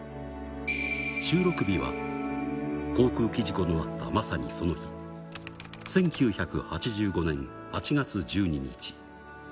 収録日は、航空機事故のあったまさにその日、１９８５年８月１２日。